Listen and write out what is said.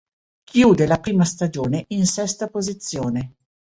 Chiude la prima stagione in sesta posizione.